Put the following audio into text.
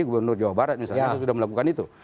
gubernur jawa barat misalnya sudah melakukan itu